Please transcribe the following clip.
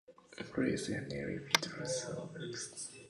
Laureles is an area between Los Fresnos and San Benito, Texas.